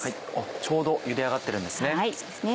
ちょうどゆで上がってるんですね。